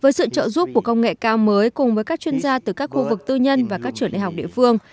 với sự trợ giúp của công nghệ cao mới cùng với các chuyên gia từ các khu vực tư nhân và các trường đại học địa phương